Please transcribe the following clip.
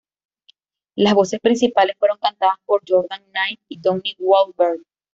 Las voces principales fueron cantadas por Jordan Knight y Donnie Wahlberg.